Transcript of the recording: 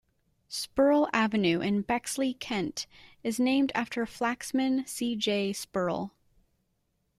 Spurrell Avenue in Bexley, Kent, is named after Flaxman C. J. Spurrell.